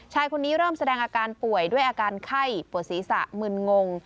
ชายคนนี้เริ่มแสดงอาการป่วยด้วยอาการไข้ปวดศีรษะมึนงง